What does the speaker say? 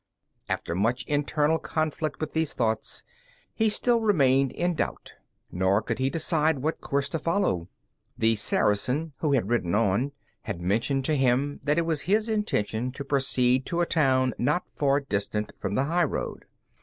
After much internal conflict with these thoughts, he still remained in doubt, nor could he decide what course to follow. The Saracen, who had ridden on, had mentioned to him that it was his intention to proceed to a town not far distant from the highroad.